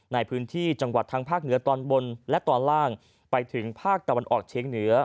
ในพื้นที่จังหวัดทางภาคเหนือตอนบนและตอนล่างไปถึงภาคตะวันออกเชียงเหนือ